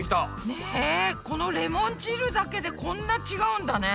ねこのレモン汁だけでこんな違うんだね。